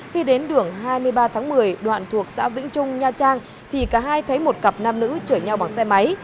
khi đến đường hai mươi ba tháng một mươi đoạn thuộc xã vĩnh trung nha trang thì cả hai thấy một cặp nam nữ chở nhau bằng xe máy